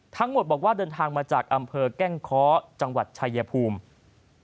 ทั้งหมดบอกว่าเดินทางมาจากอำเภอแก้งเคาะจังหวัดชายภูมิ